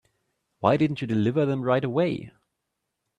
Why didn't you deliver them right away?